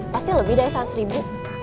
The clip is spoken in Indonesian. pasti lebih dari seratus ribu